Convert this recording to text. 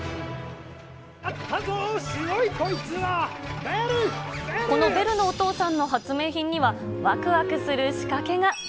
あったぞ、すごい、こいつは、このベルのお父さんの発明品には、わくわくする仕掛けが。